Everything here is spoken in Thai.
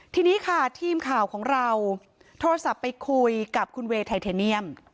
ทีนี้ค่ะทีมข่าวของเราโทรศัพท์ไปคุยกับคุณเวย์ไทเทเนียม